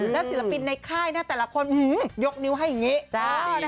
แล้วศิลปินในค่ายนะแต่ละคนยกนิ้วให้อย่างนี้